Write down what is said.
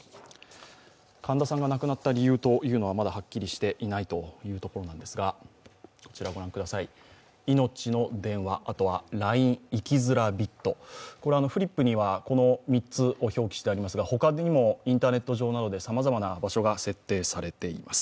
神田さんが亡くなった理由はまだはっきりしていないところなんですがこちら、いのちの電話、あとはＬＩＮＥ、生きづらびっと、これはフリップにはこの３つを表記してありますが、他にもインターネット上などでさまざまな場所が設定されています。